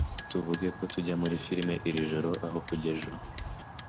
Tuvuge ko tujya muri firime iri joro aho kujya ejo?